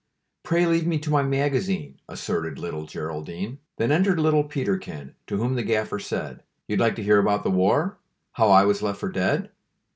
Pray leave me to my magazine," Asserted little Geraldine. Then entered little Peterkin, To whom the gaffer said: "You'd like to hear about the war? How I was left for dead?"